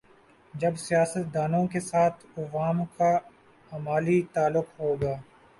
جب سیاست دانوں کے ساتھ عوام کا عملی تعلق ہو گا۔